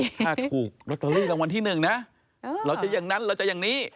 ถ้าถูกลอตเตอรี่รางวัลที่หนึ่งนะเราจะอย่างนั้นเราจะอย่างนี้